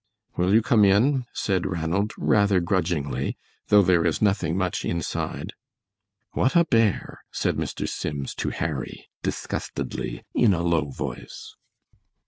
"Will you come in?" said Ranald, rather grudgingly, "though there is nothing much inside." "What a bear," said Mr. Sims to Harry, disgustedly, in a low voice.